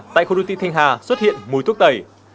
tại khu đô thị thanh hà xuất hiện mùi thuốc tẩy